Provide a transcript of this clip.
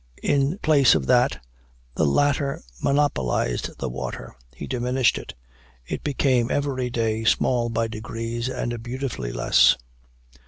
In place of that, the latter monopolized the water he diminished it. It became every day small by degrees and beautifully less.